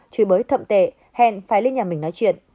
chửi bới thậm tệ hẹn phải lên nhà mình nói chuyện